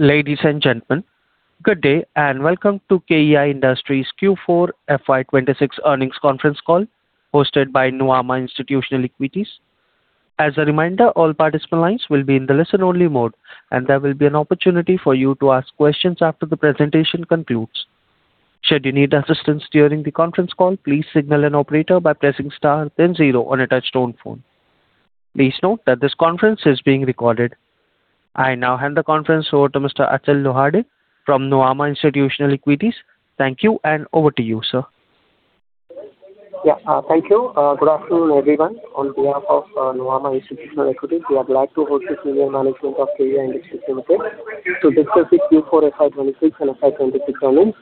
Ladies and gentlemen, good day and welcome to KEI Industries' Q4 FY 2026 earnings conference call hosted by Nuvama Institutional Equities. As a reminder, all participant lines will be in the listen-only mode, and there will be an opportunity for you to ask questions after the presentation concludes. Should you need assistance during the conference call, please signal an operator by pressing star then zero on a touch-tone phone. Please note that this conference is being recorded. I now hand the conference over to Mr. Achal Lohade from Nuvama Institutional Equities. Thank you and over to you, sir. Yeah. Thank you. Good afternoon, everyone. On behalf of Nuvama Institutional Equities, we are glad to host the senior management of KEI Industries Limited to discuss its Q4 FY 2026 and FY 2026 earnings.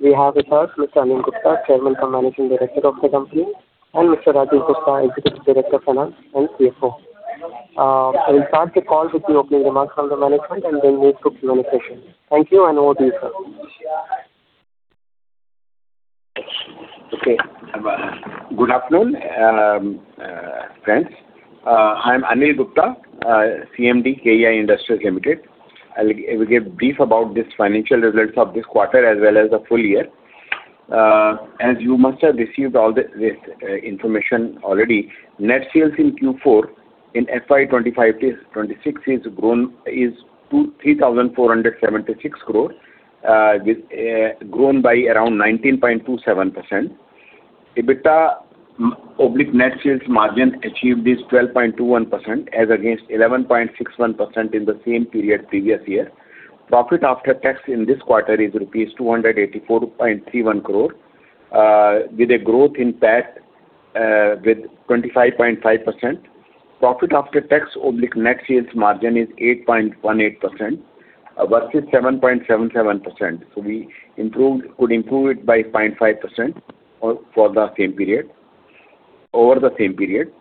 We have with us Mr. Anil Gupta, Chairman and Managing Director of the company, and Mr. Rajeev Gupta, Executive Director Finance and CFO. We'll start the call with the opening remarks from the management, and then move to Q&A session. Thank you, and over to you, sir. Okay. Good afternoon, friends. I'm Anil Gupta, CMD, KEI Industries Limited. I'll give brief about this financial results of this quarter as well as the full year. As you must have received all the, this, information already, net sales in Q4 in FY 2025, 2026 is 3,476 crore, with grown by around 19.27%. EBITDA/net sales margin achieved is 12.21% as against 11.61% in the same period previous year. Profit after tax in this quarter is rupees 284.31 crore, with a growth in PAT, with 25.5%. Profit After Tax/Net Sales margin is 8.18% versus 7.77%. We could improve it by 0.5% for the same period, over the same period.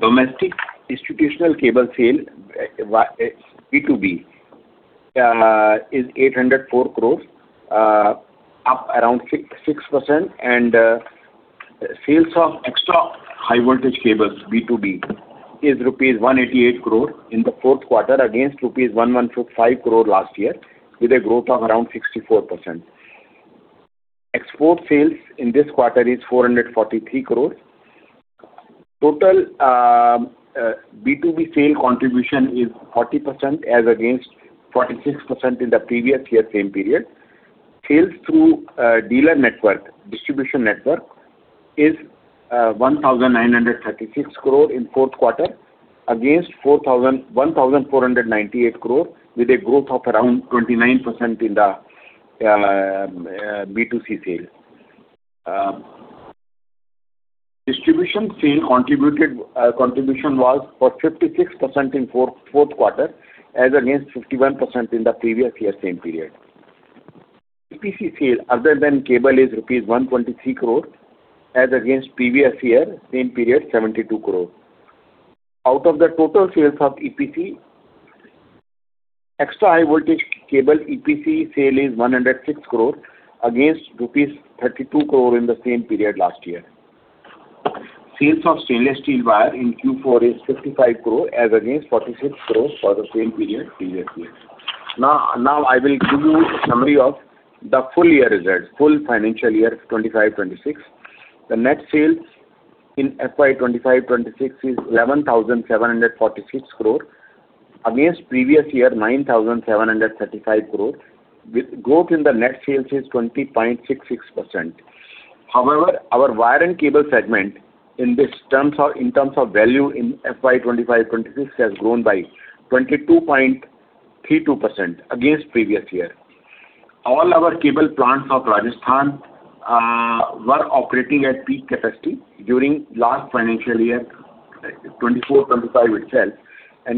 Domestic institutional cable sale via B2B is INR 804 crore, up around 6%. Sales of Extra High Voltage Cables B2B is rupees 188 crore in the fourth quarter against rupees 115 crore last year, with a growth of around 64%. Export sales in this quarter is 443 crore. Total B2B sale contribution is 40% as against 46% in the previous year same period. Sales through dealer network, distribution network is 1,936 crore in fourth quarter against 1,498 crore with a growth of around 29% in the B2C sale. Distribution sale contributed, contribution was for 56% in fourth quarter as against 51% in the previous year same period. EPC sale other than cable is rupees 123 crore as against previous year same period, 72 crore. Out of the total sales of EPC, Extra High Voltage cable EPC sale is 106 crore against rupees 32 crore in the same period last year. Sales of Stainless Steel Wire in Q4 is 55 crore as against 46 crore for the same period previous year. Now I will give you summary of the full year results, full financial year 2025, 2026. The net sales in FY 2025, 2026 is 11,746 crore against previous year, 9,735 crore, with growth in the net sales is 20.66%. However, our wire and cable segment in terms of value in FY 2025, 2026 has grown by 22.32% against previous year. All our cable plants of Rajasthan were operating at peak capacity during last financial year, 2024, 2025 itself.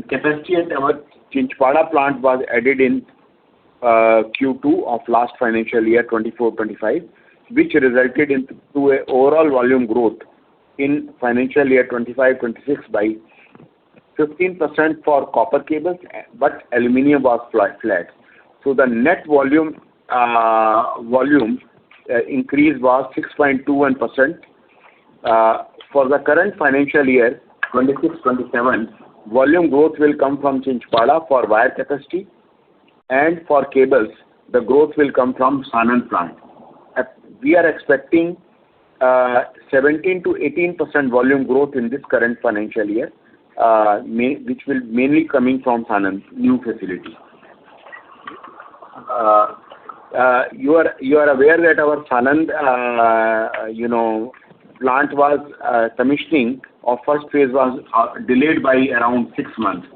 Capacity at our Chinchpada plant was added in Q2 of last financial year, 2024, 2025, which resulted into a overall volume growth in financial year 2025, 2026 by 15% for copper cables, but aluminum was flat. The net volume increase was 6.21%. For the current financial year, 2026, 2027, volume growth will come from Chinchpada for wire capacity, and for cables, the growth will come from Sanand plant. We are expecting 17%-18% volume growth in this current financial year, which will mainly coming from Sanand's new facility. You are aware that our Sanand, you know, plant was commissioning of first phase was delayed by around six months.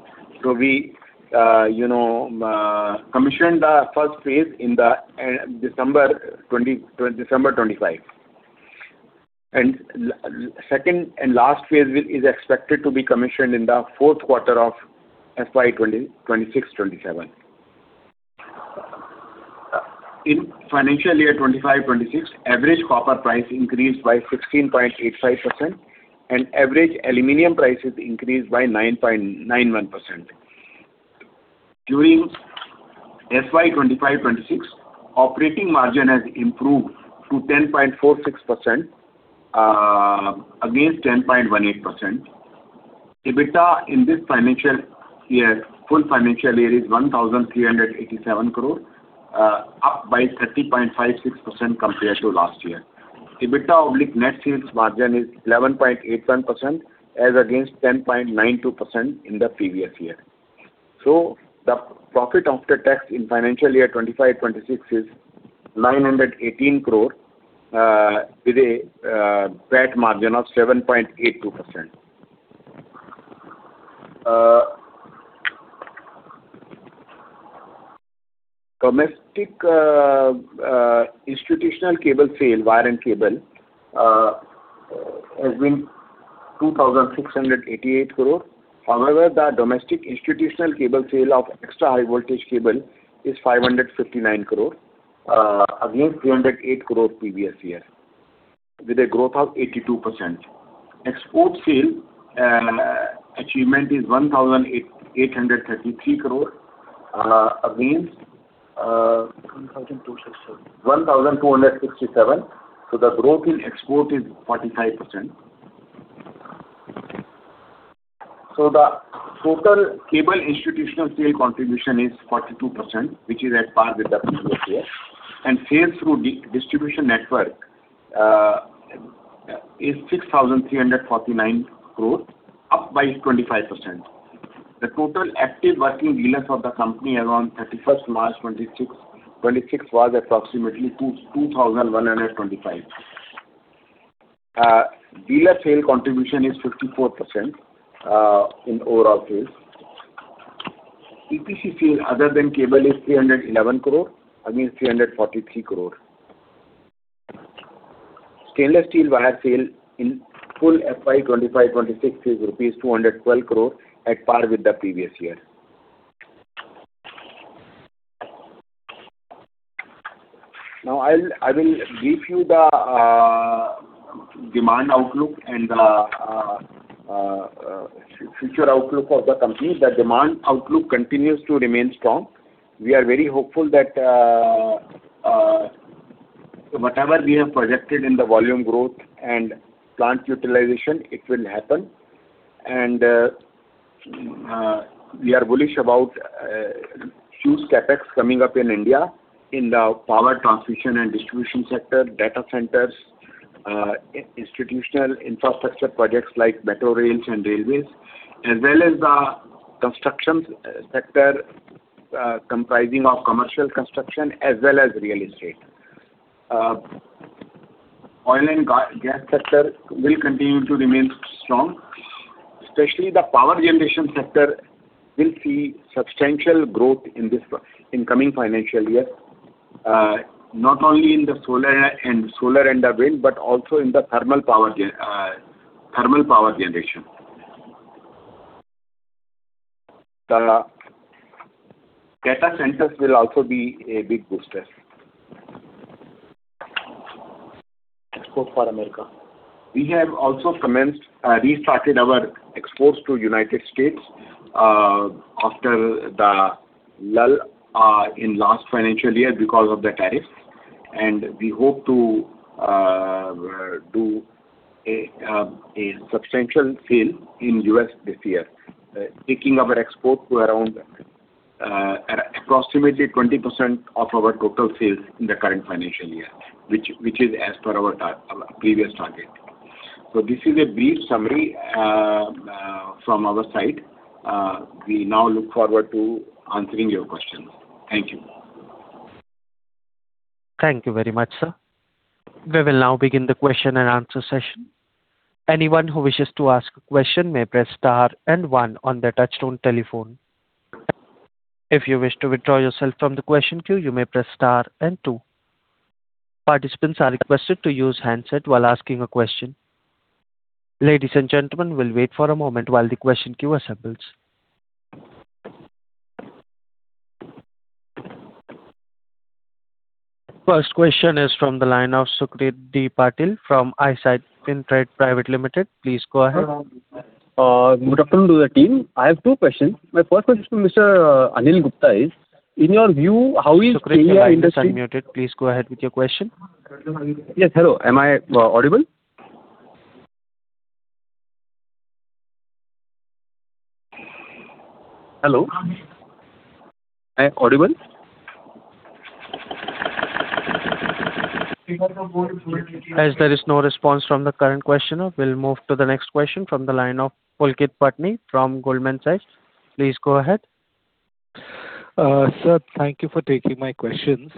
We commissioned the first phase in the end of December 2025. Second and last phase is expected to be commissioned in the fourth quarter of FY 2026-2027. In financial year 2025-2026, average copper price increased by 16.85%, and average aluminum prices increased by 9.91%. During FY 2025-2026, operating margin has improved to 10.46% against 10.18%. EBITDA in this financial year, full financial year is 1,387 crore, up by 30.56% compared to last year. EBITDA oblique net sales margin is 11.81% as against 10.92% in the previous year. The profit after tax in financial year 2025-2026 is 918 crore, with a PAT margin of 7.82%. Domestic institutional cable sale, wire and cable, has been 2,688 crore. However, the domestic institutional cable sale of Extra High Voltage Cable is 559 crore, against 308 crore previous year, with a growth of 82%. Export sale achievement is 1,833 crore, against. 1,267. 1,267. The growth in export is 45%. The total cable institutional sale contribution is 42%, which is at par with the previous year. Sales through distribution network is 6,349 crore, up by 25%. The total active working dealers of the company around March 31, 2026 was approximately 2,125. Dealer sale contribution is 54% in overall sales. EPC sale other than cable is 311 crore against 343 crore. Stainless Steel Wire sale in full FY 2025-2026 is rupees 212 crore at par with the previous year. Now I will give you the demand outlook and the future outlook of the company. The demand outlook continues to remain strong. We are very hopeful that whatever we have projected in the volume growth and plant utilization, it will happen. We are bullish about huge CapEx coming up in India in the power transmission and distribution sector, data centers, institutional infrastructure projects like metro rails and railways, as well as the construction sector, comprising of commercial construction as well as real estate. Oil and gas sector will continue to remain strong. Especially the power generation sector will see substantial growth in this, in coming financial year, not only in the solar and the wind, but also in the thermal power generation. The data centers will also be a big booster. Export for America. We have also commenced, restarted our exports to U.S., after the lull in last financial year because of the tariffs. We hope to do a substantial sale in U.S. this year, taking our export to around approximately 20% of our total sales in the current financial year, which is as per our previous target. This is a brief summary from our side. We now look forward to answering your questions. Thank you. Thank you very much, sir. We will now begin the question and answer session. Anyone who wishes to ask a question may press star and one on the touchtone telephone. If you wish to withdraw yourself from the question queue, you may press star and two. Participants are requested to use handset while asking a question. Ladies and gentlemen, we'll wait for a moment while the question queue assembles. Thank you very much. First question is from the line of Sukrit D. Patil from Eyesight Fintrade Private Limited. Please go ahead. Good afternoon to the team. I have two questions. My first question to Mr. Anil Gupta is, in your view, how is KEI Industries- Sukrit, your lines are unmuted. Please go ahead with your question. Yes. Hello. Am I audible? As there is no response from the current questioner, we'll move to the next question from the line of Pulkit Patni from Goldman Sachs. Please go ahead. Sir, thank you for taking my questions.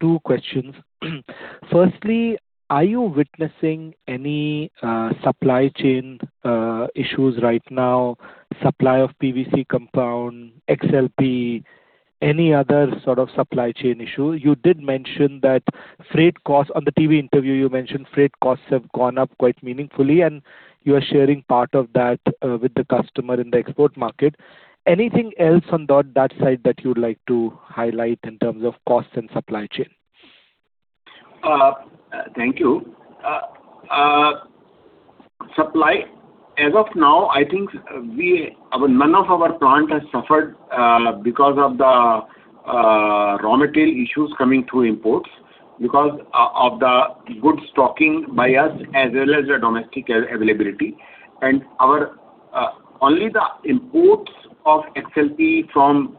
Two questions. Firstly, are you witnessing any supply chain issues right now? Supply of PVC compound, XLPE, any other sort of supply chain issue? You did mention that freight costs. On the TV interview, you mentioned freight costs have gone up quite meaningfully, and you are sharing part of that with the customer in the export market. Anything else on that side that you'd like to highlight in terms of costs and supply chain? Thank you. Supply, as of now, I think none of our plant has suffered because of the raw material issues coming through imports because of the good stocking by us as well as the domestic availability. Our only the imports of XLPE from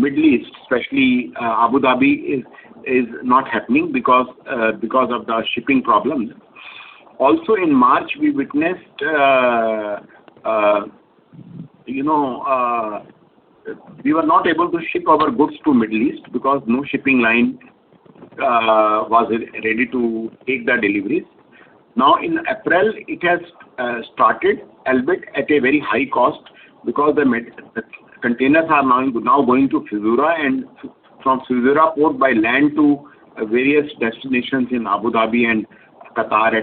Middle East, especially Abu Dhabi, is not happening because of the shipping problem. Also in March, we witnessed, you know, we were not able to ship our goods to Middle East because no shipping line was ready to take the deliveries. Now, in April, it has started, albeit at a very high cost because the containers are now going to Fujairah and from Fujairah port by land to various destinations in Abu Dhabi and Qatar,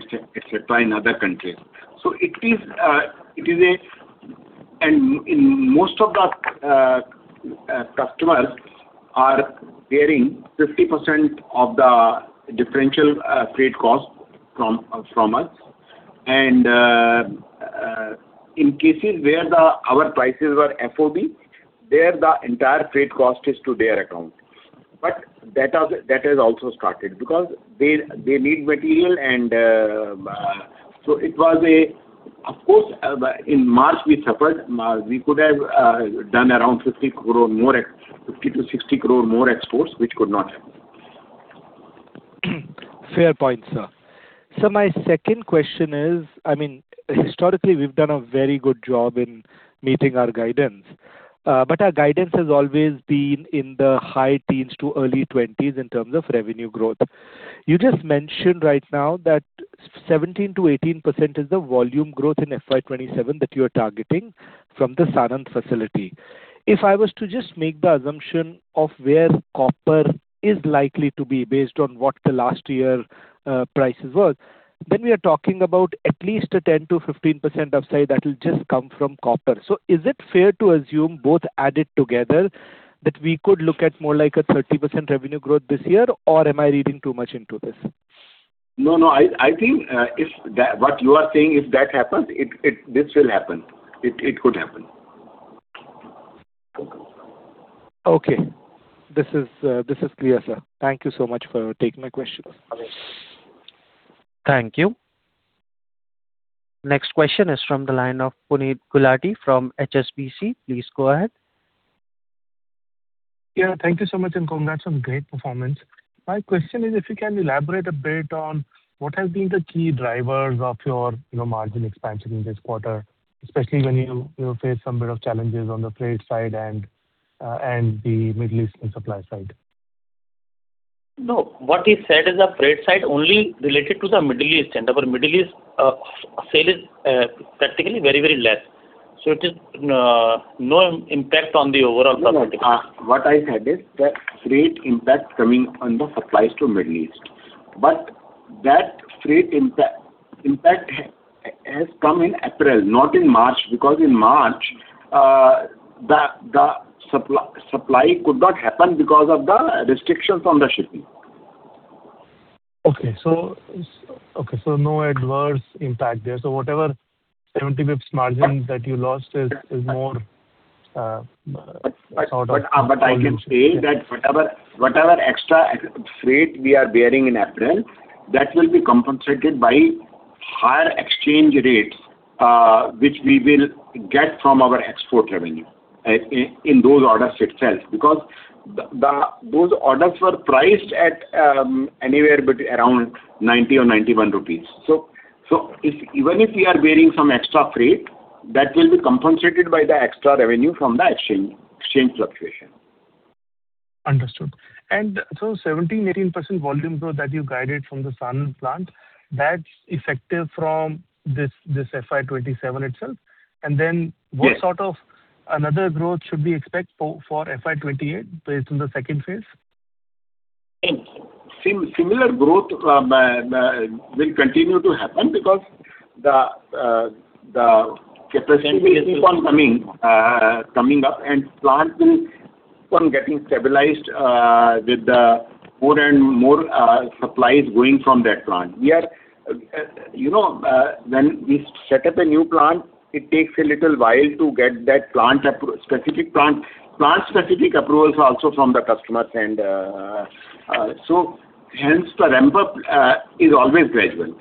and other countries. In most of the customers are bearing 50% of the differential freight cost from us. In cases where our prices were FOB, there the entire freight cost is to their account. That has also started because they need material. Of course, in March we suffered. We could have done around 50 crore more 50 crore-60 crore more exports which could not happen. Fair point, sir. My second question is, I mean, historically, we've done a very good job in meeting our guidance. Our guidance has always been in the high teens to early 20s in terms of revenue growth. You just mentioned right now that 17%-18% is the volume growth in FY 2027 that you are targeting from the Sanand facility. If I was to just make the assumption of where copper is likely to be based on what the last year prices were, then we are talking about at least a 10%-15% upside that will just come from copper. Is it fair to assume both added together that we could look at more like a 30% revenue growth this year, or am I reading too much into this? No, no. I think, what you are saying, if that happens, this will happen. It could happen. Okay. This is, this is clear, sir. Thank you so much for taking my questions. Okay. Thank you. Next question is from the line of Puneet Gulati from HSBC. Please go ahead. Yeah. Thank you so much, and congrats on great performance. My question is if you can elaborate a bit on what has been the key drivers of your, you know, margin expansion in this quarter, especially when you faced some bit of challenges on the freight side and the Middle East on supply side. No. What he said is the freight side only related to the Middle East and our Middle East, sale is practically very, very less. It is no impact on the overall supply. No, no. What I said is the freight impact coming on the supplies to Middle East. That freight impact has come in April, not in March, because in March, the supply could not happen because of the restrictions on the shipping. Okay. No adverse impact there. Whatever 70 BPS margin that you lost is more. I can say that whatever extra freight we are bearing in April, that will be compensated by higher exchange rates, which we will get from our export revenue in those orders itself. Because those orders were priced at anywhere around 90 or 91 rupees. Even if we are bearing some extra freight, that will be compensated by the extra revenue from the exchange fluctuation. Understood. 17%-18% volume growth that you guided from the Sanand plant, that's effective from FY 2027 itself? Yes. What sort of another growth should we expect for FY 2028 based on the second phase? Similar growth will continue to happen because the capacity will keep on coming up, and plant will keep on getting stabilized with the more and more supplies going from that plant. We are. You know, when we set up a new plant, it takes a little while to get that plant specific approvals also from the customers. Hence the ramp-up is always gradual.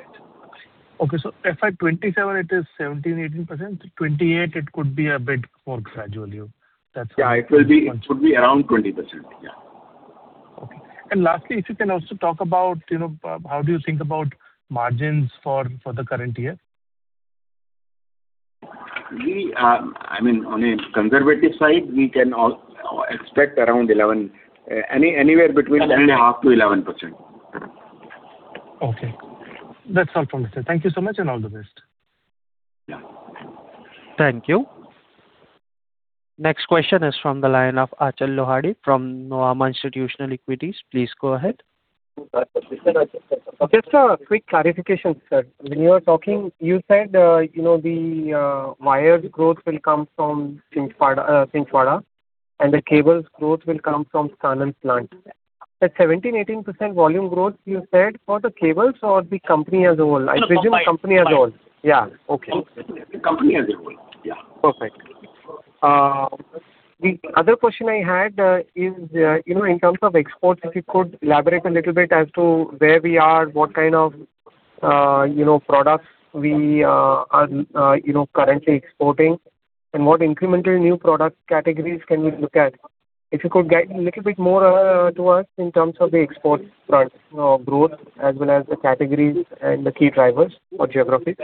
Okay. FY 2027 it is 17%-18%. FY 2028 it could be a bit more gradually, that's all. Yeah. It will be, it should be around 20%. Yeah. Okay. Lastly, if you can also talk about, you know, how do you think about margins for the current year? We, I mean, on a conservative side, we can expect around 11, anywhere between 10.5%-11%. Okay. That's all from me, sir. Thank you so much, and all the best. Yeah. Thank you. Next question is from the line of Achal Lohade from Nuvama Institutional Equities. Please go ahead. Just a quick clarification, sir. When you were talking, you said, you know, the wires growth will come from Chinchpada. The cables growth will come from Sanand plant. That 17%, 18% volume growth you said for the cables or the company as a whole? No, no, company. I presume company as a whole. Yeah. Okay. Company as a whole. Yeah. Perfect. The other question I had is, you know, in terms of exports, if you could elaborate a little bit as to where we are, what kind of, you know, products we are, you know, currently exporting, and what incremental new product categories can we look at? If you could guide a little bit more to us in terms of the export front, growth as well as the categories and the key drivers or geographies.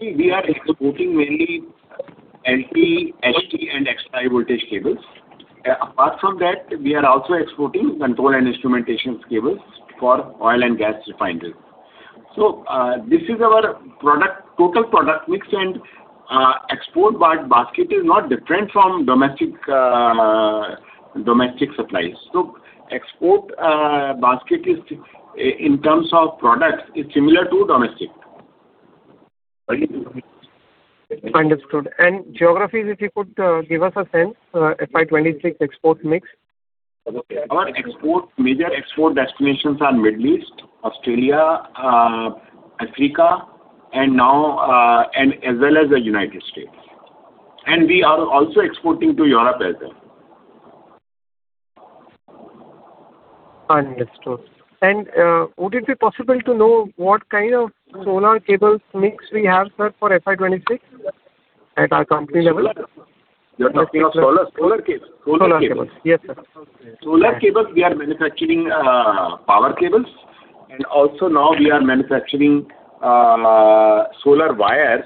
We are exporting mainly LT, HT, and Extra High Voltage Cables. Apart from that, we are also exporting Control and Instrumentation Cables for oil and gas refineries. This is our product, total product mix and export basket is not different from domestic domestic supplies. Export basket is, in terms of products, is similar to domestic. Understood. Geographies, if you could give us a sense, FY 2026 export mix? Our export, major export destinations are Middle East, Australia, Africa, and now, and as well as the United States. We are also exporting to Europe as well. Understood. Would it be possible to know what kind of Solar Cables mix we have, sir, for FY 2026 at our company level? Solar. You're talking of Solar? Solar Cable. Solar Cables. Yes, sir. Solar Cables, we are manufacturing, power cables, and also now we are manufacturing, Solar Wires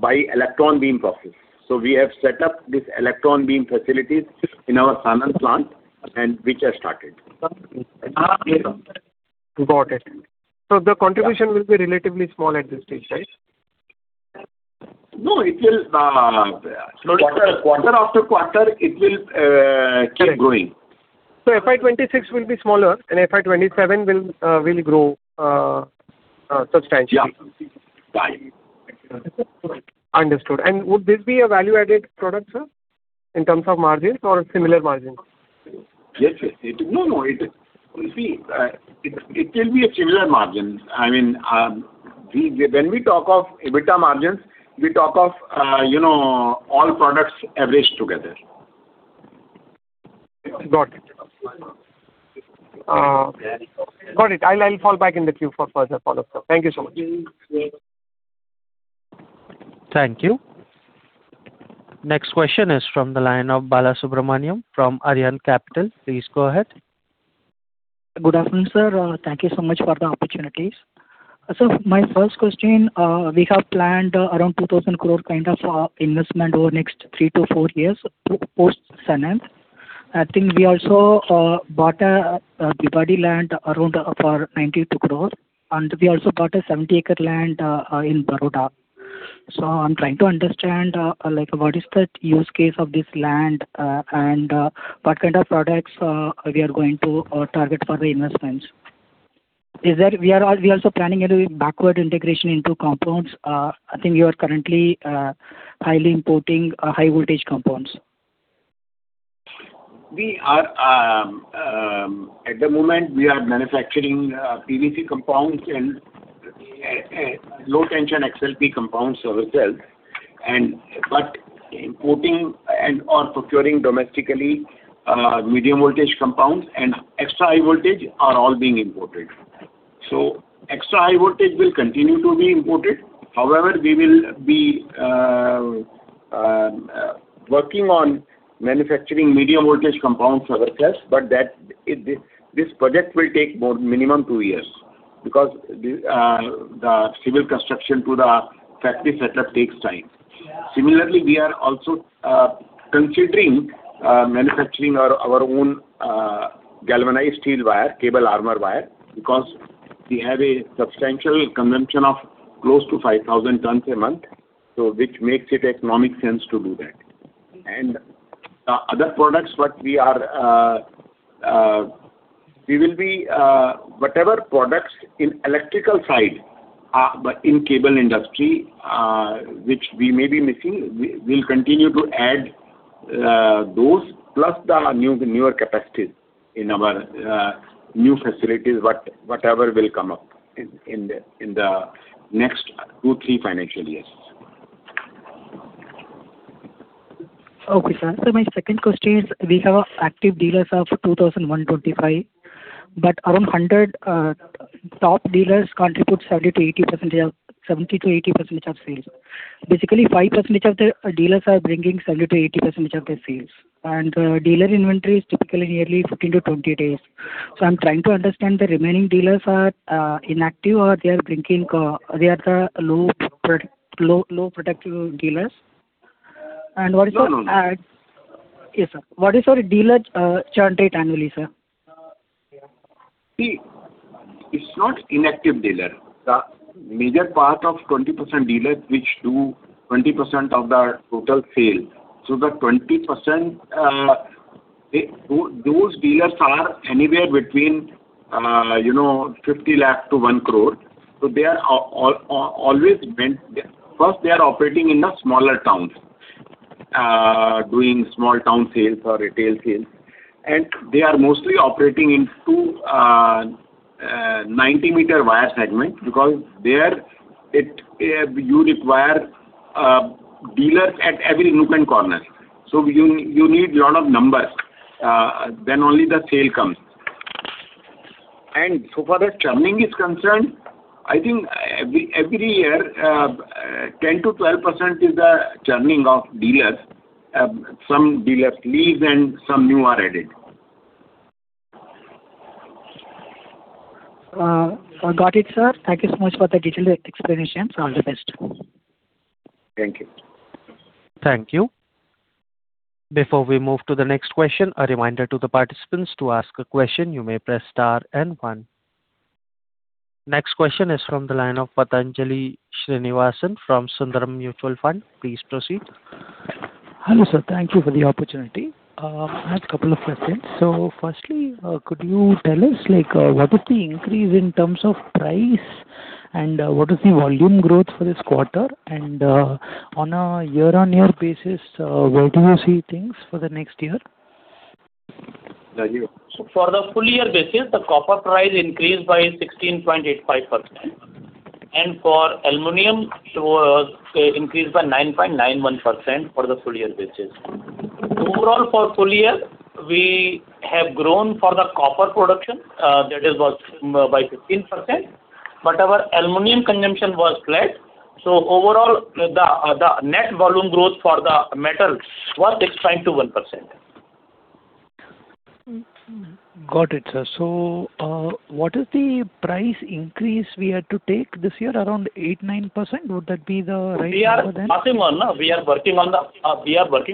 by electron beam process. We have set up this electron beam facilities in our Sanand plant and which has started. Got it. The contribution will be relatively small at this stage, right? No, it will, quarter after quarter it will, keep growing. FY 2026 will be smaller and FY 2027 will grow substantially. Yeah. Understood. Would this be a value-added product, sir, in terms of margins or similar margins? Yes, yes. No, no, it. See, it will be a similar margin. I mean, when we talk of EBITDA margins, we talk of, you know, all products averaged together. Got it. Got it. I'll fall back in the queue for further follow-up, sir. Thank you so much. Thank you. Next question is from the line of Balasubramanian A. from Arihant Capital. Please go ahead. Good afternoon, sir. Thank you so much for the opportunities. My first question, we have planned around 2,000 crore kind of investment over next three to four years post Sanand. I think we also bought a Bhiwadi land around for 92 crore, and we also bought a 70-acre land in Baroda. I'm trying to understand, like what is the use case of this land, and what kind of products we are going to target for the investments. We are also planning a little backward integration into compounds. I think you are currently highly importing high voltage compounds. At the moment we are manufacturing PVC compounds and low tension XLPE compounds ourselves and importing and/or procuring domestically medium voltage compounds and Extra High Voltage are all being imported. Extra High Voltage will continue to be imported. We will be working on manufacturing medium voltage compounds ourselves, but that this project will take more minimum two years because the civil construction to the factory setup takes time. We are also considering manufacturing our own Galvanized Steel Wire, Cable Armor Wire, because we have a substantial consumption of close to 5,000 tons a month, which makes it economic sense to do that. Other products what we are, we will be, whatever products in electrical side, but in cable industry, which we may be missing, we'll continue to add those plus the new, newer capacities in our new facilities, whatever will come up in the next two, three financial years. Okay, sir. My second question is, we have active dealers of 2,125, but around 100 top dealers contribute 70%-80% of sales. Basically, 5% of the dealers are bringing 70%-80% of the sales. Dealer inventory is typically nearly 15-20 days. I'm trying to understand the remaining dealers are inactive or they are bringing they are the low productive dealers. No, no. Yes, sir. What is your dealer churn rate annually, sir? It's not inactive dealer. The major part of 20% dealers which do 20% of the total sale. the 20% Those dealers are anywhere between, you know, 50 lakh to 1 crore. First, they are operating in the smaller towns, doing small-town sales or retail sales, and they are mostly operating in two 90-meter wire segment because there it, you require dealers at every nook and corner. You, you need lot of numbers, then only the sale comes. So far as churning is concerned, I think every year, 10%-12% is the churning of dealers. Some dealers leave and some new are added. Got it, sir. Thank you so much for the detailed explanation. All the best. Thank you. Thank you. Before we move to the next question, a reminder to the participants, to ask a question, you may press star and one. Next question is from the line of Pathanjali Srinivasan from Sundaram Mutual Fund. Please proceed. Hello, sir. Thank you for the opportunity. I had couple of questions. Firstly, could you tell us, like, what is the increase in terms of price and what is the volume growth for this quarter? On a year-on-year basis, where do you see things for the next year? For the full year basis, the copper price increased by 16.85%. For aluminum, it was increased by 9.91% for the full year basis. Overall, for full year, we have grown for the copper production, that is was by 15%. Our aluminum consumption was flat. Overall, the net volume growth for the metals was 6.21%. Got it, sir. What is the price increase we had to take this year, around 8-9%? Would that be the range for that? We are passing on. We are working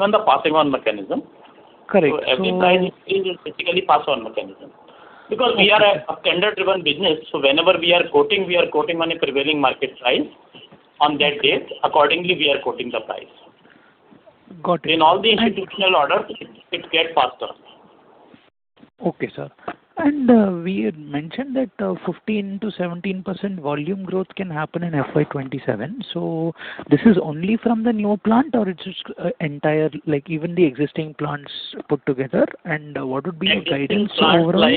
on the passing on mechanism. Correct. Every price increase is basically pass on mechanism. Because we are a tender-driven business, so whenever we are quoting, we are quoting on a prevailing market price on that date. Accordingly, we are quoting the price. Got it. In all the institutional orders, it gets passed on. Okay, sir. We had mentioned that 15%-17% volume growth can happen in FY 2027. This is only from the new plant or it is just entire, like even the existing plants put together? What would be your guidance overall?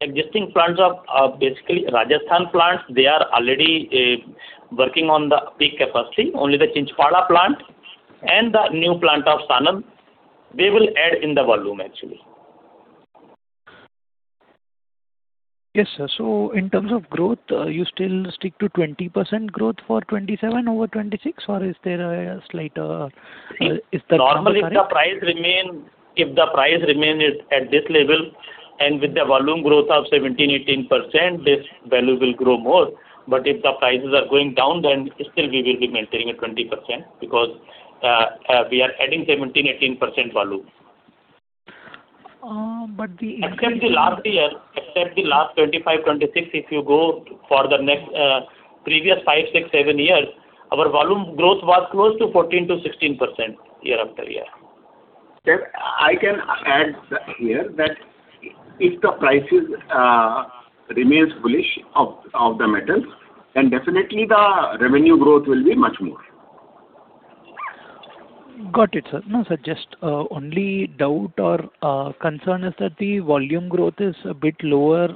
Existing plants are, basically Rajasthan plants. They are already working on the peak capacity. Only the Chinchpada plant and the new plant of Sanand, they will add in the volume actually. Yes, sir. In terms of growth, you still stick to 20% growth for 2027 over 2026, or is there a slight? Normally, if the price remain at this level and with the volume growth of 17%, 18%, this value will grow more. If the prices are going down, then still we will be maintaining at 20% because we are adding 17%, 18% volume. Uh, but the- Except the last year, except the last 25, 26, if you go for the next, previous five, six, seven years, our volume growth was close to 14% to 16% year after year. Sir, I can add here that if the prices, remains bullish of the metals, then definitely the revenue growth will be much more. Got it, sir. No, sir, just only doubt or concern is that the volume growth is a bit lower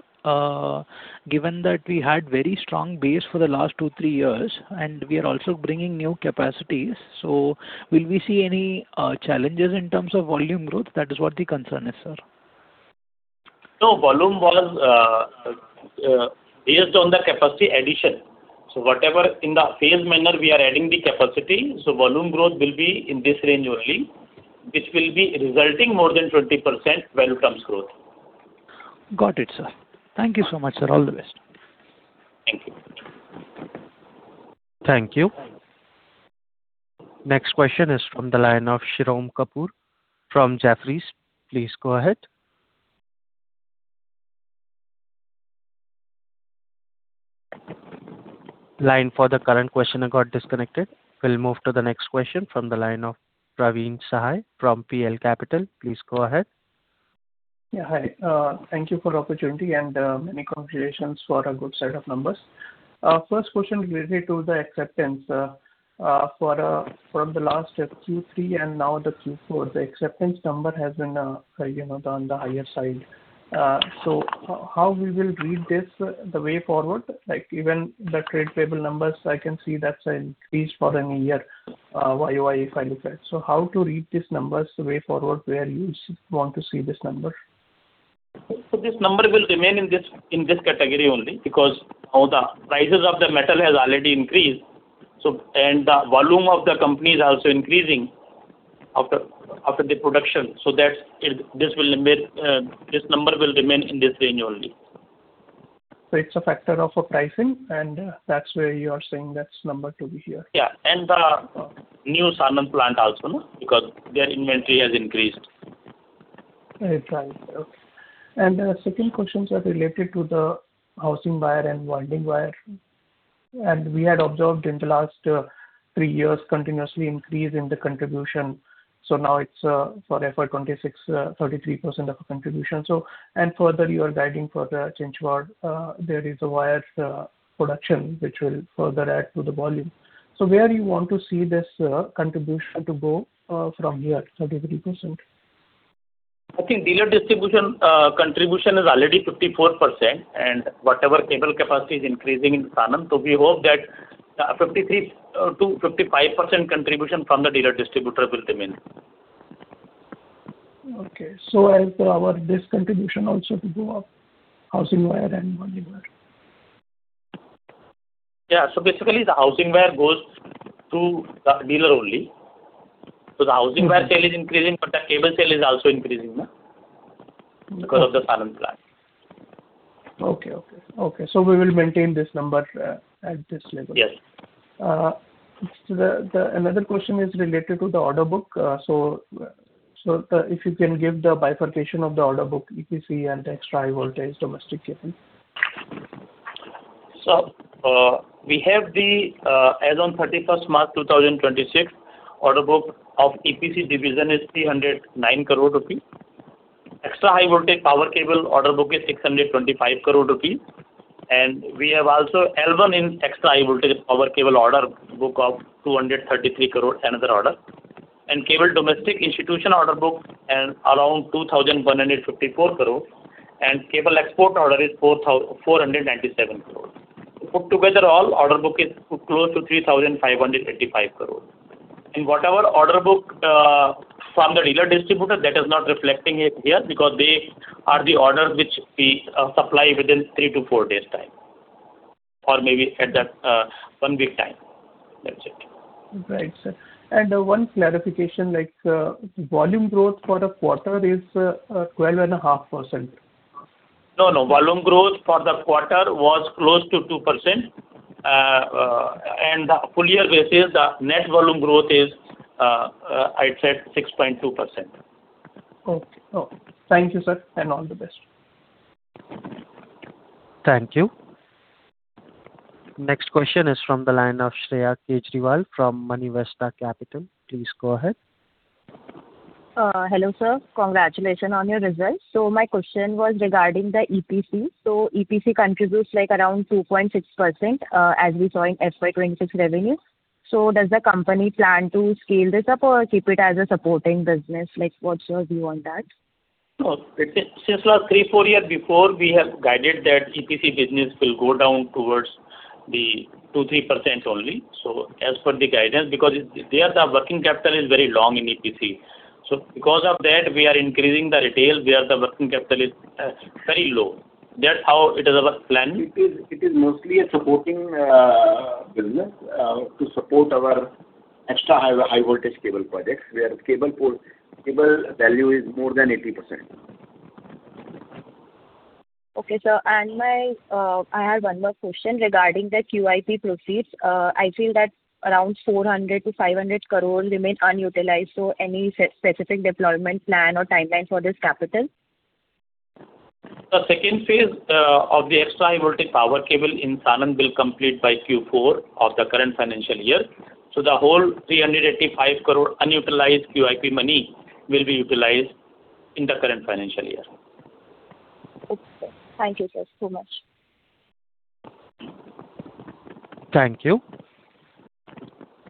given that we had very strong base for the last two, three years, and we are also bringing new capacities. Will we see any challenges in terms of volume growth? That is what the concern is, sir. No, volume was based on the capacity addition. Whatever in the phased manner we are adding the capacity, so volume growth will be in this range only, which will be resulting more than 20% when it comes growth. Got it, sir. Thank you so much, sir. All the best. Thank you. Thank you. Next question is from the line of Shirom Kapur from Jefferies. Please go ahead. Line for the current questioner got disconnected. We'll move to the next question from the line of Praveen Sahay from PL Capital. Please go ahead. Yeah, hi. Thank you for the opportunity and many congratulations for a good set of numbers. First question related to the acceptance. For from the last Q3 and now the Q4, the acceptance number has been, you know, on the higher side. How we will read this, the way forward? Like even the trade payable numbers, I can see that's increased for an year, YOY if I look at. How to read these numbers, the way forward, where you want to see this number? This number will remain in this category only because now the prices of the metal has already increased. The volume of the company is also increasing after the production. That's it. This number will remain in this range only. It's a factor of pricing, and that's where you are saying that number to be here. Yeah. The new Sanand plant also, no? Because their inventory has increased. Right. Okay. The second question, sir, related to the housing wire and winding wire. We had observed in the last three years continuously increase in the contribution. Now it's for FY 2026, 33% of contribution. Further you are guiding for the Chinchpada, there is a wire production which will further add to the volume. Where you want to see this contribution to go from here, 33%? I think dealer distribution contribution is already 54%. Whatever cable capacity is increasing in Sanand, we hope that 53%-55% contribution from the dealer distributor will remain. Okay. As per our this contribution also to go up, housing wire and winding wire. Basically the housing wire goes to the dealer only. The housing wire sale is increasing, but the cable sale is also increasing now because of the Sanand plant. Okay. Okay. Okay. We will maintain this number at this level. Yes. The another question is related to the order book. If you can give the bifurcation of the order book, EPC and the Extra High Voltage domestic, if you can? We have the as on 31st March 2026 order book of EPC division is 309 crore rupees. Extra High Voltage power cable order book is 625 crore rupees. We have also L1 in Extra High Voltage power cable order book of 233 crore another order. Cable domestic institution order book an around 2,154 crore. Cable export order is 497 crore. Put together all order book is close to 3,585 crore. Whatever order book from the dealer distributor that is not reflecting it here because they are the orders which we supply within three to four days time, or maybe at the one week time. That's it. Right, sir. One clarification, like, volume growth for the quarter is 12.5%. No, no. Volume growth for the quarter was close to 2%. The full year basis, the net volume growth is, I'd say 6.2%. Okay. Oh, thank you, sir, and all the best. Thank you. Next question is from the line of Shreya Kejriwal from Moneyvesta Capital. Please go ahead. Hello, sir. Congratulations on your results. My question was regarding the EPC. EPC contributes like around 2.6%, as we saw in FY 2026 revenue. Does the company plan to scale this up or keep it as a supporting business? Like, what's your view on that? No. Since last three, four years before, we have guided that EPC business will go down towards the 2%, 3% only. As per the guidance, because the working capital is very long in EPC. Because of that, we are increasing the retail where the working capital is very low. That's how it is our plan. It is mostly a supporting business to support our Extra High Voltage cable projects, where cable value is more than 80%. Okay, sir. I have one more question regarding the QIP proceeds. I feel that around 400 crore- 500 crore remain unutilized. Any specific deployment plan or timeline for this capital? The second phase of the Extra High Voltage power cable in Sanand will complete by Q4 of the current financial year. The whole 385 crore unutilized QIP money will be utilized in the current financial year. Okay. Thank you, sir, so much. Thank you.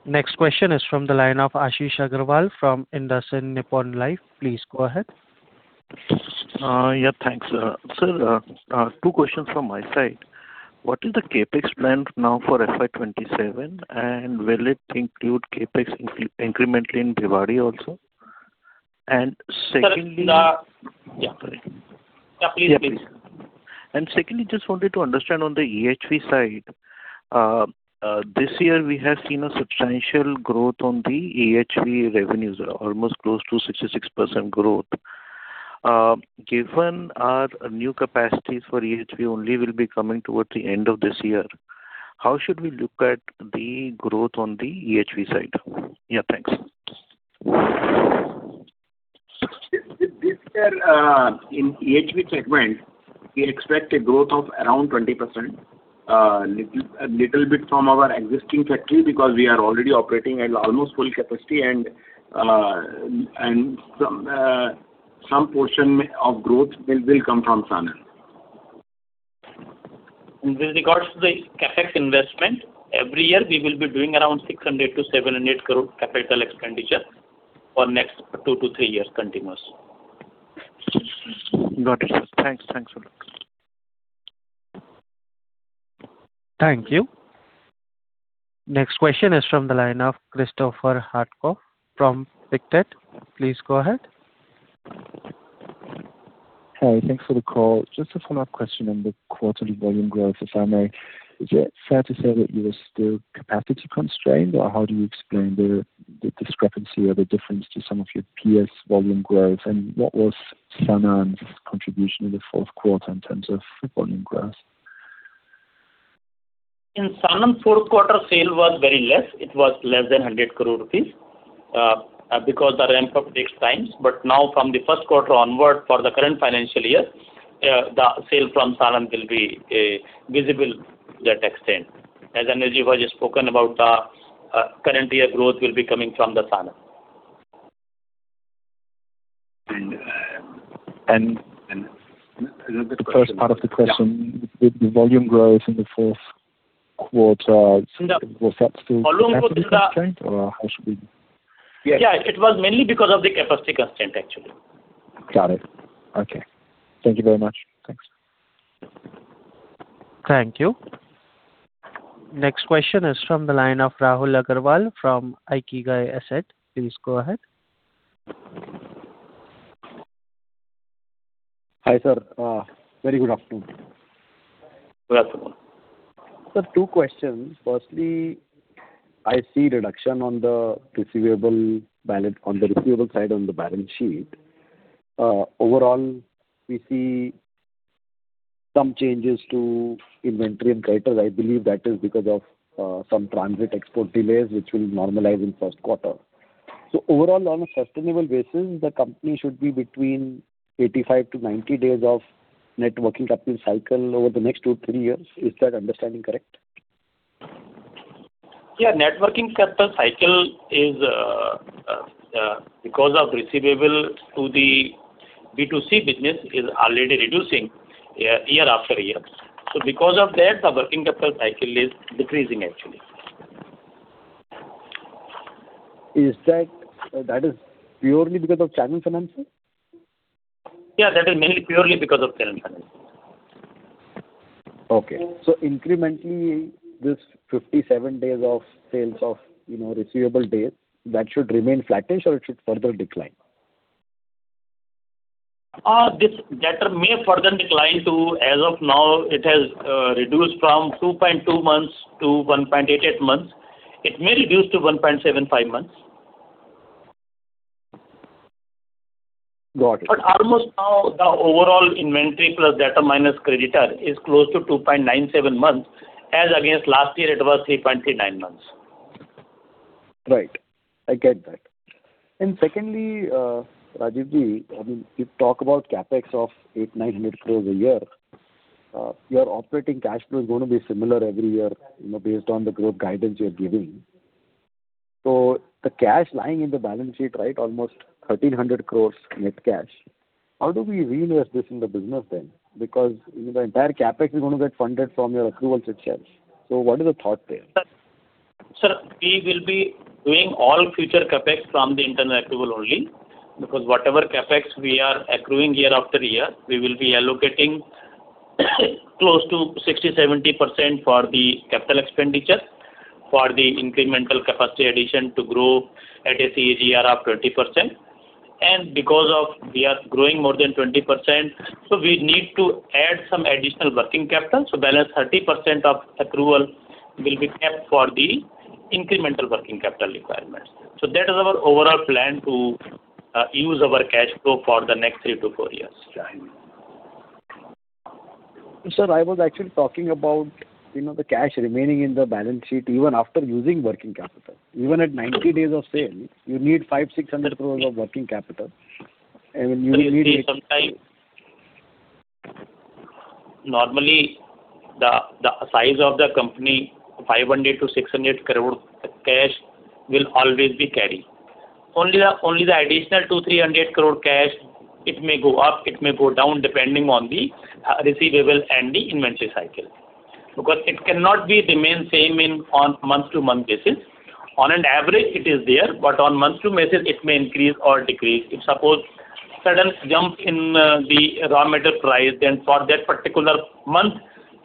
Next question is from the line of Ashish Agarwal from IndusInd Nippon Life. Please go ahead. Yeah. Thanks. sir, two questions from my side. What is the CapEx plan now for FY 2027, and will it include CapEx incrementally in Bhiwadi also? Secondly. Sir, Yeah, sorry. Yeah, please. Please. Secondly, just wanted to understand on the EHV side. This year we have seen a substantial growth on the EHV revenues, almost close to 66% growth. Given our new capacities for EHV only will be coming towards the end of this year, how should we look at the growth on the EHV side? Yeah, thanks. This year, in EHV segment, we expect a growth of around 20%. A little bit from our existing factory because we are already operating at almost full capacity and some portion of growth will come from Sanand. With regards to the CapEx investment, every year we will be doing around 600 crore-700 crore capital expenditure for next two- three years continuous. Got it. Thanks. Thanks a lot. Thank you. Next question is from the line of Christopher Harkov from Pictet. Please go ahead. Hey, thanks for the call. Just a follow-up question on the quarterly volume growth, if I may. Is it fair to say that you are still capacity constrained, or how do you explain the discrepancy or the difference to some of your peers' volume growth? What was Sanand's contribution in the fourth quarter in terms of volume growth? In Sanand, fourth quarter sale was very less. It was less than 100 crore rupees. Because the ramp up takes time. Now from the first quarter onward for the current financial year, the sale from Sanand will be visible to that extent. As Anil has just spoken about, current year growth will be coming from Sanand. Another question. The first part of the question. Yeah. The volume growth in the fourth quarter. The- was that still capacity constraint or how should we? Yeah, it was mainly because of the capacity constraint, actually. Got it. Okay. Thank you very much. Thanks. Thank you. Next question is from the line of Rahul Agarwal from Ikigai Asset. Please go ahead. Hi, sir. Very good afternoon. Good afternoon. Sir, two questions. Firstly, I see reduction on the receivable side on the balance sheet. Overall, we see some changes to inventory and creditors. I believe that is because of some transit export delays which will normalize in 1st quarter. Overall, on a sustainable basis, the company should be between 85-90 days of net working capital cycle over the next two, three years. Is that understanding correct? Yeah. Net working capital cycle is because of receivable to the B2C business is already reducing year after year. Because of that, the working capital cycle is decreasing actually. Is that is purely because of channel financing? Yeah, that is mainly purely because of channel financing. Okay. Incrementally, this 57 days of sales of, you know, receivable days, that should remain flattish or it should further decline? This debtor may further decline to, as of now it has reduced from 2.2 months-1.88 months. It may reduce to 1.75 months. Got it. Almost now the overall inventory plus debtor minus creditor is close to 2.97 months, as against last year it was 3.39 months. Right. I get that. Secondly, Rajeevji, I mean, you talk about CapEx of 800 crore-900 crores a year. Your operating cash flow is gonna be similar every year, you know, based on the growth guidance you're giving. The cash lying in the balance sheet, right, almost 1,300 crores net cash, how do we reinvest this in the business then? You know, the entire CapEx is gonna get funded from your accruals itself. What is the thought there? Sir, we will be doing all future CapEx from the internal accrual only because whatever CapEx we are accruing year after year, we will be allocating close to 60%-70% for the capital expenditure for the incremental capacity addition to grow at a CAGR of 20%. Because of we are growing more than 20%, we need to add some additional working capital. Balance 30% of accrual will be kept for the incremental working capital requirements. That is our overall plan to use our cash flow for the next three to four years. Right. Sir, I was actually talking about, you know, the cash remaining in the balance sheet even after using working capital. Even at 90 days of sale, you need 500-600 crores of working capital and you will need. Sir, see, sometime. Normally the size of the company, 500 crore-600 crore cash will always be carry. Only the additional 200 crore-300 crore cash, it may go up, it may go down, depending on the receivable and the inventory cycle. It cannot be remain same on month-over-month basis. On an average it is there, but on month-over-month basis it may increase or decrease. If suppose sudden jump in the raw material price, then for that particular month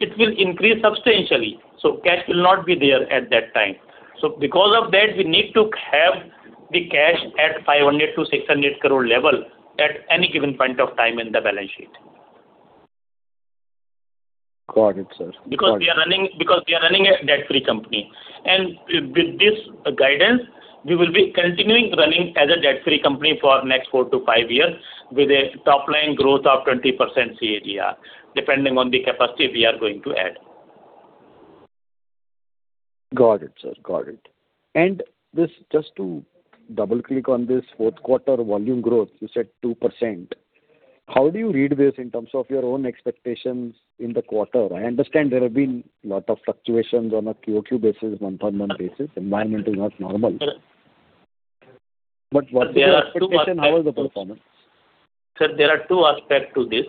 it will increase substantially, cash will not be there at that time. Because of that, we need to have the cash at 500 crore-600 crore level at any given point of time in the balance sheet. Got it, sir. Got it. Because we are running a debt-free company. With this guidance, we will be continuing running as a debt-free company for next four to five years with a top line growth of 20% CAGR, depending on the capacity we are going to add. Got it, sir. Got it. This just to double-click on this fourth quarter volume growth, you said 2%. How do you read this in terms of your own expectations in the quarter? I understand there have been a lot of fluctuations on a QoQ basis, month-on-month basis. Environment is not normal. Sir- What is your expectation? How is the performance? Sir, there are two aspects to this.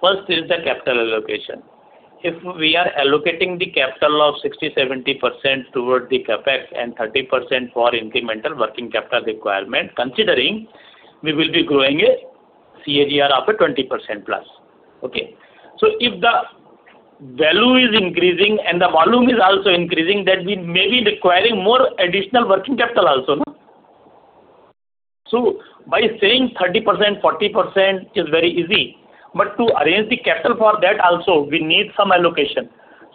First is the capital allocation. If we are allocating the capital of 60%-70% toward the CapEx and 30% for incremental working capital requirement, considering we will be growing a CAGR of a 20%+. Okay? If the value is increasing and the volume is also increasing, then we may be requiring more additional working capital also, no? By saying 30%, 40% is very easy, but to arrange the capital for that also we need some allocation.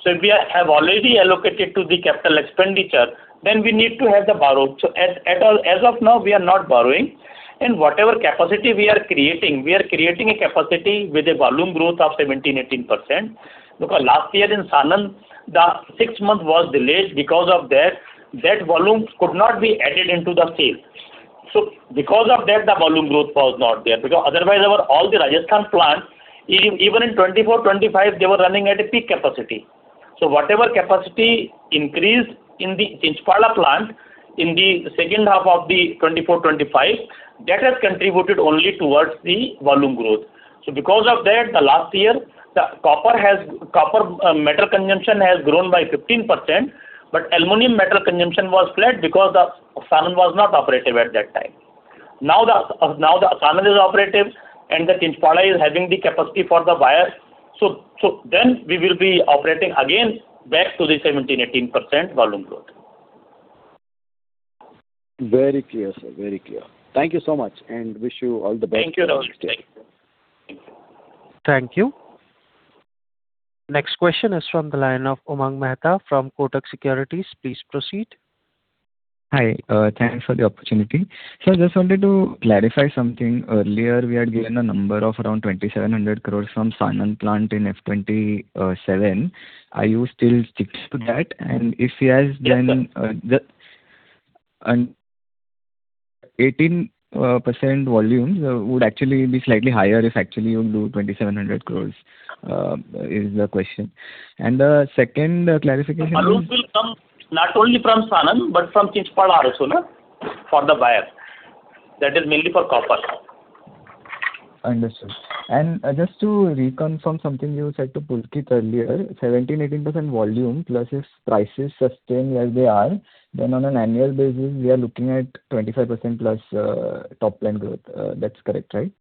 If we have already allocated to the capital expenditure, then we need to have the borrowed. As of now, we are not borrowing. Whatever capacity we are creating, we are creating a capacity with a volume growth of 17%-18%. Last year in Sanand, the six months was delayed because of that volume could not be added into the sale. Because of that, the volume growth was not there. Otherwise our all the Rajasthan plant, even in 2024, 2025, they were running at a peak capacity. Whatever capacity increased in the Chinchpada plant in the second half of the 2024, 2025, that has contributed only towards the volume growth. Because of that, the last year, the copper metal consumption has grown by 15%, but aluminum metal consumption was flat because the Sanand was not operative at that time. The Sanand is operative and the Chinchpada is having the capacity for the wires. Then we will be operating again back to the 17%-18% volume growth. Very clear, sir. Very clear. Thank you so much, and wish you all the best for next year. Thank you, Rahul. Thank you. Thank you. Next question is from the line of Umang Mehta from Kotak Securities. Please proceed. Hi, thanks for the opportunity. I just wanted to clarify something. Earlier, we had given a number of around 2,700 crores from Sanand plant in FY 2027. Are you still sticks to that? If yes, then. Yes, sir. 18% volumes would actually be slightly higher if actually you do 2,700 crores is the question. The second clarification- Volumes will come not only from Sanand, but from Chinchpada also, no, for the wires. That is mainly for copper. Understood. Just to reconfirm something you said to Pulkit earlier, 17, 18% volume plus if prices sustain as they are, then on an annual basis, we are looking at 25% plus, top line growth. That's correct, right?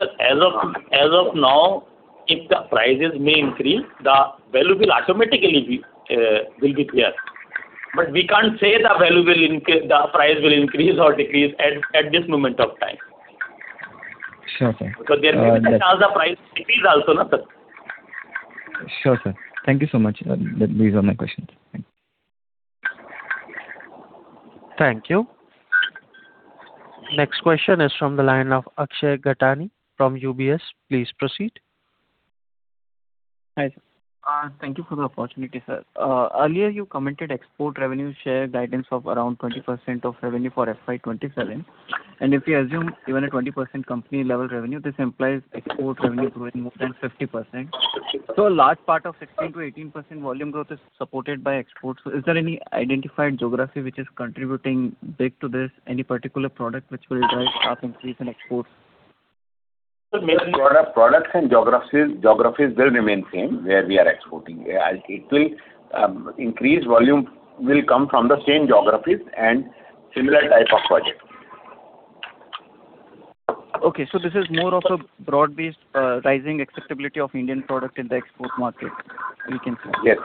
Sir, as of now, if the prices may increase, the value will automatically be clear. We can't say the value will increase, the price will increase or decrease at this moment of time. Sure, sir. There may be the chance the price decrease also, no, sir? Sure, sir. Thank you so much. These are my questions. Thank you. Thank you. Next question is from the line of Akshay Gattani from UBS. Please proceed. Hi, sir. Thank you for the opportunity, sir. Earlier you commented export revenue share guidance of around 20% of revenue for FY 2027. If we assume even a 20% company level revenue, this implies export revenue growing more than 50%. A large part of 16%-18% volume growth is supported by exports. Is there any identified geography which is contributing big to this? Any particular product which will drive half increase in exports? Sir, mainly products and geographies will remain same where we are exporting. It will increase volume will come from the same geographies and similar type of projects. Okay. This is more of a broad-based, rising acceptability of Indian product in the export market, we can say. Yes.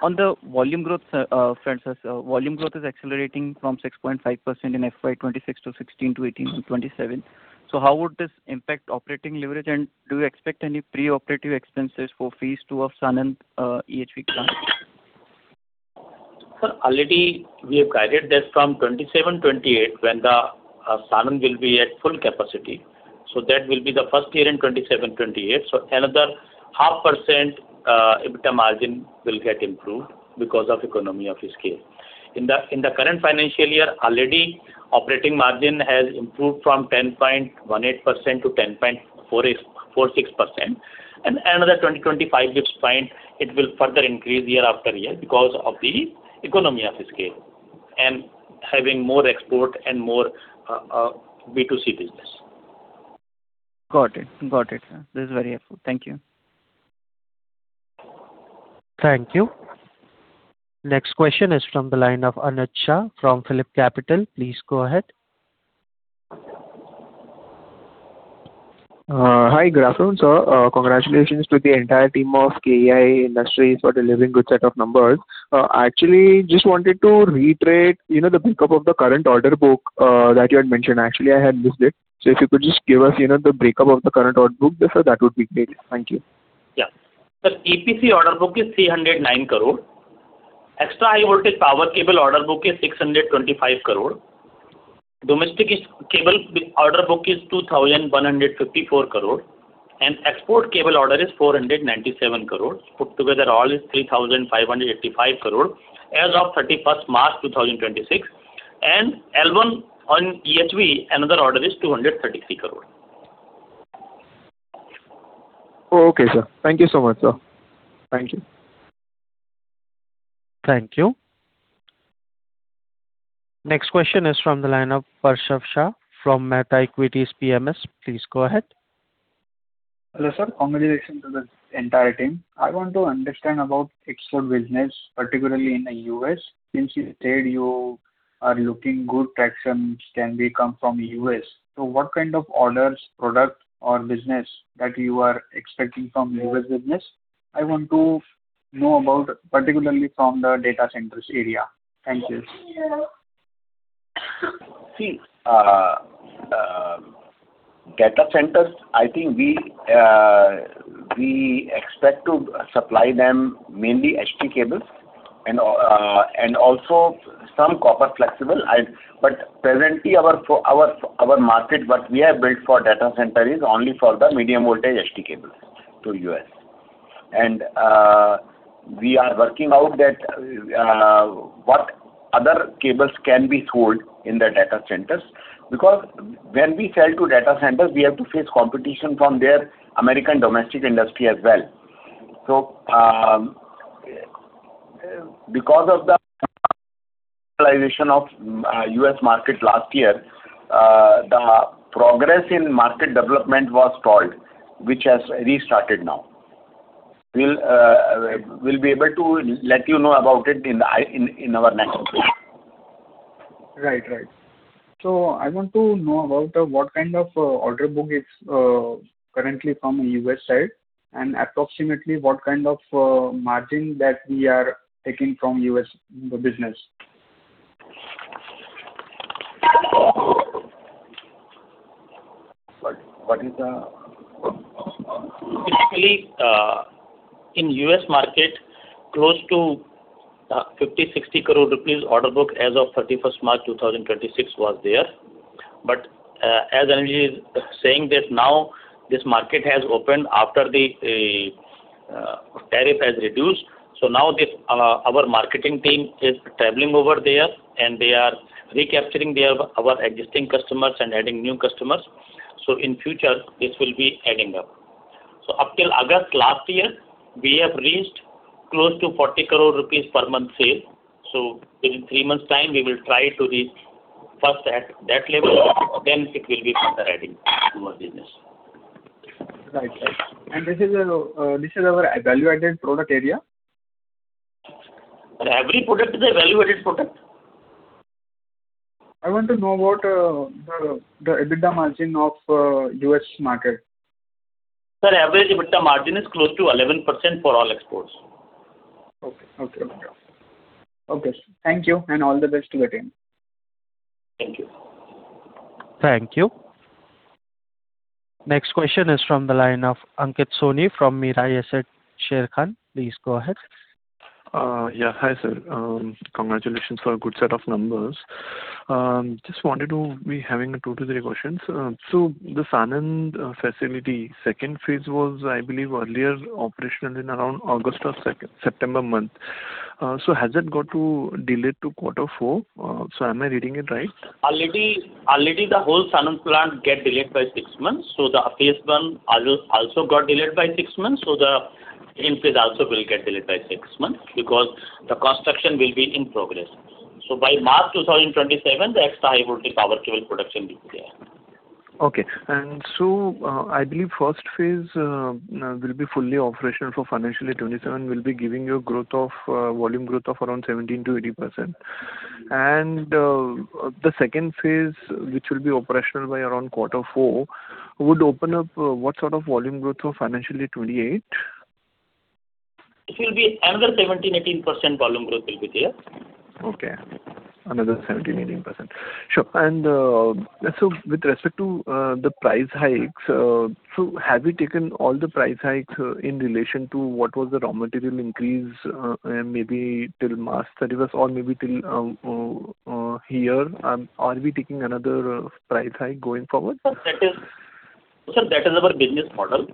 On the volume growth, front, sir. Volume growth is accelerating from 6.5% in FY 2026 to 16%-18% in 2027. How would this impact operating leverage? Do you expect any pre-operative expenses for phase 2 of Sanand, EHV plant? Sir, already we have guided that from 2027, 2028 when the Sanand will be at full capacity. That will be the first year in 2027, 2028. Another 0.5% EBITDA margin will get improved because of economy of scale. In the current financial year, already operating margin has improved from 10.18% to 10.46%. Another 20-25 basis point, it will further increase year after year because of the economy of scale and having more export and more B2C business. Got it. Got it, sir. This is very helpful. Thank you. Thank you. Next question is from the line of Anuj Shah from PhillipCapital. Please go ahead. Hi. Good afternoon, sir. Congratulations to the entire team of KEI Industries for delivering good set of numbers. Actually just wanted to reiterate, you know, the break-up of the current order book that you had mentioned. Actually, I had missed it. If you could just give us, you know, the break-up of the current order book, sir, that would be great. Thank you. Yeah. Sir, EPC order book is 309 crore. Extra High Voltage power cable order book is 625 crore. Domestic cable order book is 2,154 crore. Export cable order is 497 crore. Put together all is 3,585 crore as of 31st March 2026. L1 on EHV, another order is 233 crore. Oh, okay, sir. Thank you so much, sir. Thank you. Thank you. Next question is from the line of Prashant Shah from Mehta Equities PMS. Please go ahead. Hello, sir. Congratulations to the entire team. I want to understand about export business, particularly in the U.S. Since you said you are looking good traction which can be come from U.S. What kind of orders, product or business that you are expecting from U.S. business? I want to know about particularly from the data centers area. Thank you. See. Data centers, I think we expect to supply them mainly HT cables and also some copper flexible. Presently our market, what we have built for data center is only for the medium voltage HT cables to U.S. We are working out that what other cables can be sold in the data centers. When we sell to data centers, we have to face competition from their American domestic industry as well. Because of the realization of U.S. market last year, the progress in market development was stalled, which has restarted now. We'll be able to let you know about it in our next call. Right. Right. I want to know about what kind of order book is currently from U.S. side, and approximately what kind of margin that we are taking from U.S. business? Sorry. Basically, in U.S. market, close to 50 crore-60 crore rupees order book as of March 31, 2026 was there. As Anuj is saying that now this market has opened after the tariff has reduced. Now this, our marketing team is traveling over there, and they are recapturing their, our existing customers and adding new customers. In future this will be adding up. Up till August last year, we have reached close to 40 crore rupees per month sale. In three months' time we will try to reach first at that level, then it will be further adding to our business. Right. Right. This is our value-added product area? Sir, every product is a value-added product. I want to know about the EBITDA margin of U.S. market. Sir, average EBITDA margin is close to 11% for all exports. Okay. Okay. Okay. Okay. Thank you, and all the best to the team. Thank you. Thank you. Next question is from the line of Ankit Soni from Mirae Asset Securities. Please go ahead. Yeah. Hi, sir. Congratulations for a good set of numbers. Just wanted to be having two to three questions. The Sanand facility second phase was, I believe, earlier operational in around August or September month. Has it got to delay to quarter four? Am I reading it right? Already the whole Sanand plant get delayed by six months. The phase 1 also got delayed by six months, the end phase also will get delayed by six months because the construction will be in progress. By March 2027, the Extra High Voltage power cable production will be there. Okay. I believe first phase will be fully operational for financial year 2027, will be giving you growth of, volume growth of around 17%-18%. The second phase, which will be operational by around Q4, would open up, what sort of volume growth for financial year 2028? It will be another 17%-18% volume growth will be there. Okay. Another 17, 18%. Sure. With respect to the price hikes, have you taken all the price hikes in relation to what was the raw material increase, maybe till March 31st or maybe till here? Are we taking another price hike going forward? Sir, that is our business model.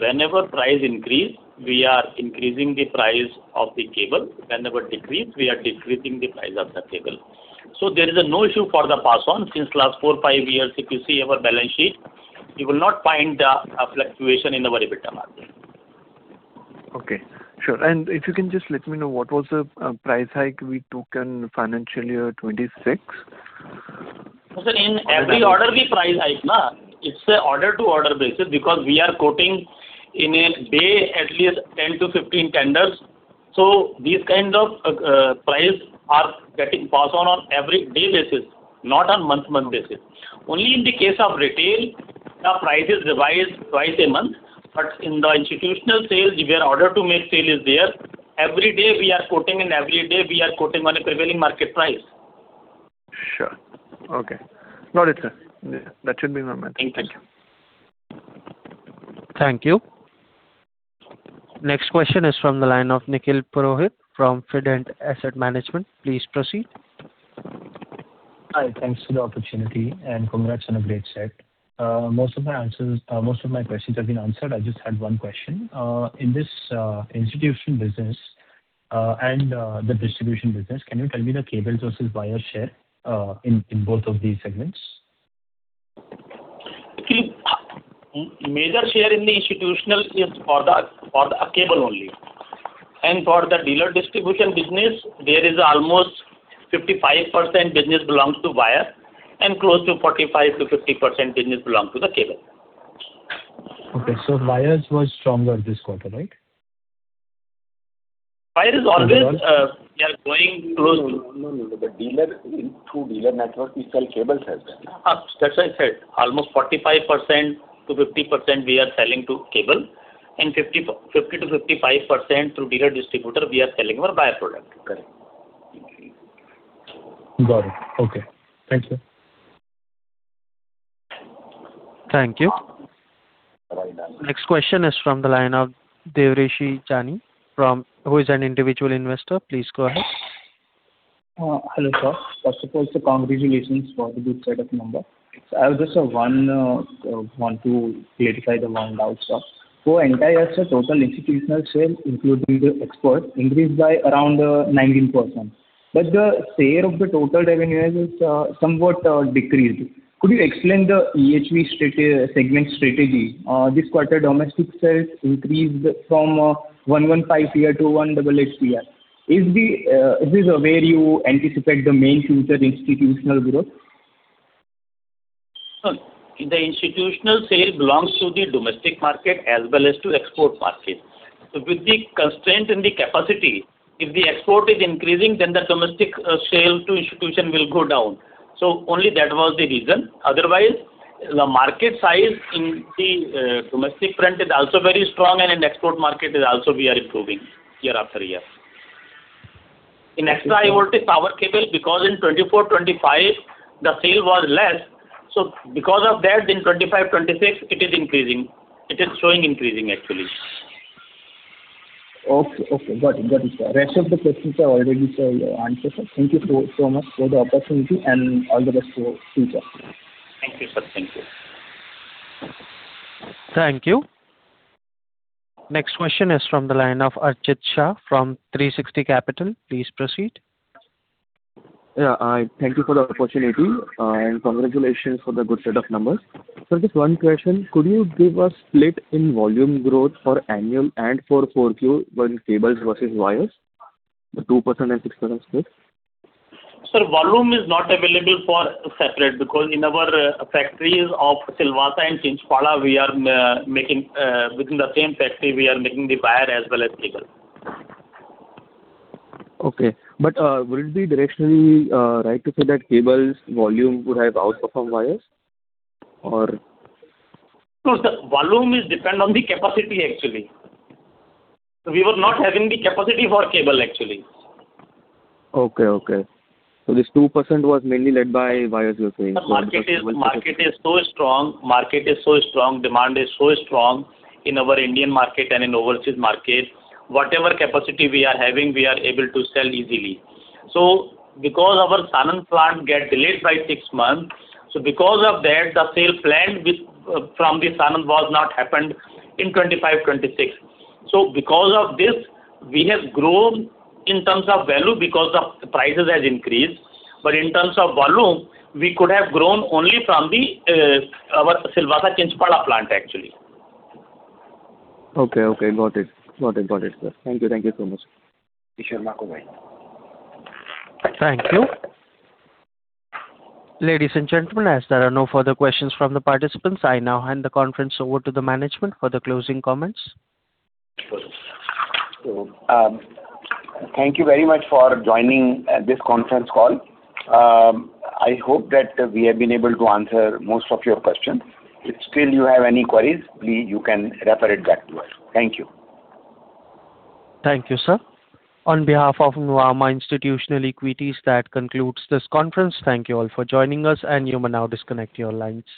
Whenever price increase, we are increasing the price of the cable. Whenever decrease, we are decreasing the price of the cable. There is no issue for the pass on. Since last four, five years if you see our balance sheet, you will not find a fluctuation in the EBITDA margin. Okay. Sure. If you can just let me know, what was the price hike we took in FY 2026? Sir, in every order we price hike. It's an order to order basis because we are quoting in a day at least 10-15 tenders. These kinds of prices are getting passed on on every day basis, not on month to month basis. Only in the case of retail the price is revised twice a month. In the institutional sales where order to make sale is there, every day we are quoting and every day we are quoting on a prevailing market price. Sure. Okay. Got it, sir. Yeah, that should be my metric. Thank you. Thank you. Next question is from the line of Nikhil Purohit from Fident Asset Management. Please proceed. Hi. Thanks for the opportunity and congrats on a great set. Most of my answers, most of my questions have been answered. I just had one question. In this institution business and the distribution business, can you tell me the cables versus wire share in both of these segments? See, major share in the institutional is for the, for the cable only. For the dealer distribution business, there is almost 55% business belongs to wire and close to 45%-50% business belong to the cable. Okay. wires was stronger this quarter, right? Wire is always, we are going close to. No, no, no. The dealer, through dealer network we sell cables as well. That's why I said almost 45%-50% we are selling to cable and 50%-55% through dealer distributor we are selling our wire product. Correct. Got it. Okay. Thanks, sir. Thank you. Very well. Next question is from the line of [Devarshi Jani] from who is an individual investor. Please go ahead. Hello, sir. First of all, sir, congratulations for the good set of number. I have just one to clarify the one doubt, sir. Entire year, sir, total institutional sale, including the export, increased by around 19%. The share of the total revenues is somewhat decreased. Could you explain the EHV segment strategy? This quarter domestic sales increased from 115 crore-188 crore. Is this where you anticipate the main future institutional growth? No. The institutional sale belongs to the domestic market as well as to export market. With the constraint in the capacity, if the export is increasing, then the domestic sale to institution will go down. Only that was the reason. Otherwise, the market size in the domestic front is also very strong, and in export market is also we are improving year after year. In Extra High Voltage power cable, because in 2024, 2025 the sale was less, because of that in 2025, 2026 it is increasing. It is showing increasing actually. Okay, okay. Got it. Got it, sir. Rest of the questions are already, sir, answered, sir. Thank you so much for the opportunity and all the best for future. Thank you, sir. Thank you. Thank you. Next question is from the line of Archit Shah from 360 Capital. Please proceed. Yeah, thank you for the opportunity. Congratulations for the good set of numbers. Sir, just one question. Could you give a split in volume growth for annual and for 4Q, both cables versus wires? The 2% and 6% split. Sir, volume is not available for separate because in our factories of Silvassa and Chinchpada we are making within the same factory we are making the wire as well as cable. Okay. Would it be directionally right to say that cables volume would have outperformed wires? No, sir. Volume is depend on the capacity actually. We were not having the capacity for cable actually. Okay, okay. This 2% was mainly led by wires, you're saying? Market is so strong, demand is so strong in our Indian market and in overseas market. Whatever capacity we are having, we are able to sell easily. Because our Sanand plant get delayed by six months, so because of that, the sale planned from the Sanand was not happened in 2025, 2026. Because of this, we have grown in terms of value because the prices has increased. In terms of volume, we could have grown only from our Silvassa Chinchpada plant, actually. Okay, okay. Got it. Got it. Got it, sir. Thank you. Thank you so much. Sure. Marco, bye. Thank you. Ladies and gentlemen, as there are no further questions from the participants, I now hand the conference over to the management for the closing comments. Thank you very much for joining this conference call. I hope that we have been able to answer most of your questions. If still you have any queries, please, you can refer it back to us. Thank you. Thank you, sir. On behalf of Nuvama Institutional Equities, that concludes this conference. Thank you all for joining us, and you may now disconnect your lines.